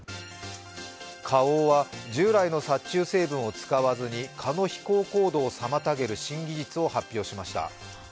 花王は従来の殺虫成分を使わずに、蚊の飛行行動を妨げる新技術を発表しました。